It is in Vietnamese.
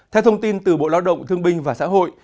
theo thông tin từ bộ lao động thương binh và xã hội